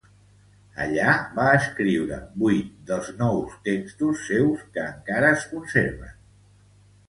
Allí va escriure vuit dels nou textos seus que encara es conserven.